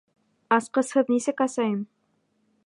Асҡысһыҙ нисек асайым?